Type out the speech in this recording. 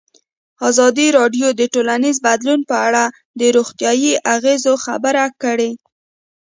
ازادي راډیو د ټولنیز بدلون په اړه د روغتیایي اغېزو خبره کړې.